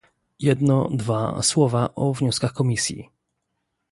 Jedno-dwa słowa o wnioskach Komisji